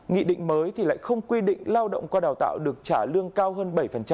nghị định mới thì lại không quy định lao động qua đào tạo được trả lương cao hơn bảy